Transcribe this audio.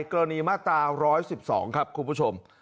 กรณีมาตรา๑๑๒ครับคุณผู้ชม